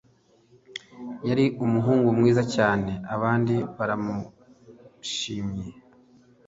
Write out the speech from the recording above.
Yari umuhungu mwiza cyane abandi baramushimye.